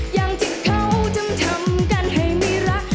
อย่างที่เขาจึงทำกันให้ไม่รัก